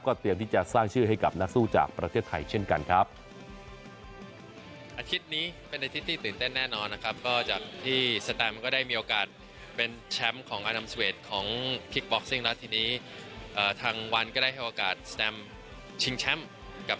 เตรียมที่จะสร้างชื่อให้กับนักสู้จากประเทศไทยเช่นกันครับ